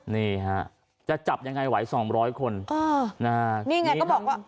นี่ฮะจะจับยังไงไหวสองร้อยคนนี่ไงก็บอกว่า